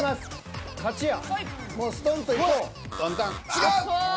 違う。